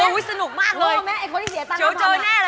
เจ๋วเจ๋วแน่เลย